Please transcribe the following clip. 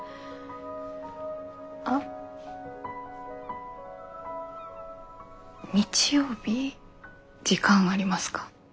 あっ日曜日時間ありますか？